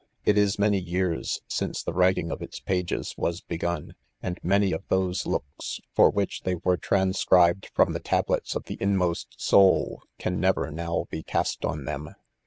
It is many years since the writing of its pages was begun,, and many of those looks for which they were transcribed from the tablets of the 'inmost soul can never* noir. Be cast ob them.